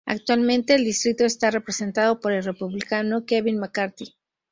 Actualmente el distrito está representado por el Republicano Kevin McCarthy.